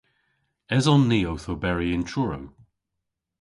Eson ni owth oberi yn Truru?